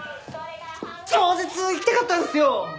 超絶行きたかったんですよ！